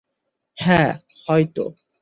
হ্যাঁ - হয়তো।